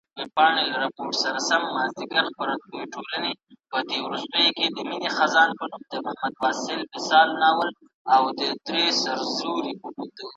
¬په پردي وطن کي گوز واچوه، ځني ولاړ سه.